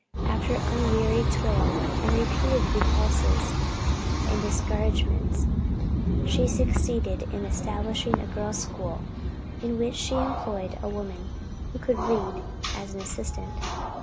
After unwearied toil, and repeated repulses and discouragements, she succeeded in establishing a girls' school, in which she employed a woman who could read, as an assistant.